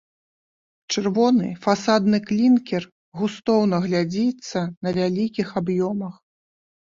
Чырвоны фасадны клінкер густоўна глядзіцца на вялікіх аб'ёмах.